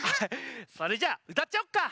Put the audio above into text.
それじゃあうたっちゃおうか？